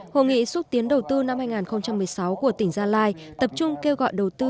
hội nghị xúc tiến đầu tư năm hai nghìn một mươi sáu của tỉnh gia lai tập trung kêu gọi đầu tư